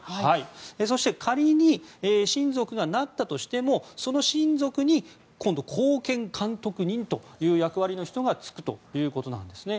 そして仮に親族がなったとしてもその親族に今度は後見監督人という役割の人がつくということなんですね。